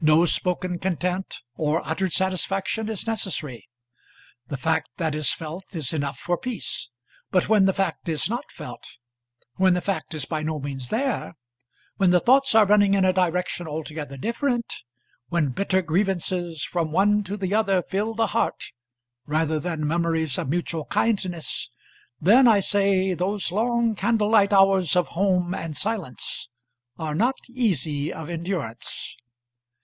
No spoken content or uttered satisfaction is necessary. The fact that is felt is enough for peace. But when the fact is not felt; when the fact is by no means there; when the thoughts are running in a direction altogether different; when bitter grievances from one to the other fill the heart, rather than memories of mutual kindness; then, I say, those long candlelight hours of home and silence are not easy of endurance.